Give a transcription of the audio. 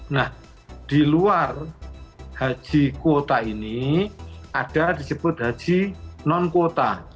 nah di luar haji kuota ini ada disebut haji non kuota